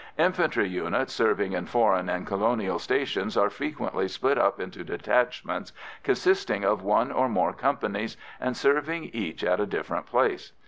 Infantry units serving in foreign and colonial stations are frequently split up into detachments consisting of one or more companies, and serving each at a different place.